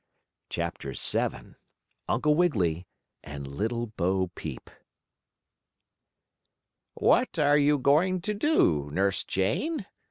CHAPTER VII UNCLE WIGGILY AND LITTLE BO PEEP "What are you going to do, Nurse Jane?"